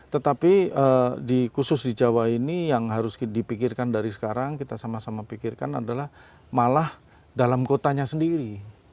tetapi khusus di jawa ini yang harus dipikirkan dari sekarang kita sama sama pikirkan adalah malah dalam kotanya sendiri